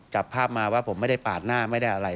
จับภาพมาว่าผมไม่ได้ปาดหน้าไม่ได้อะไร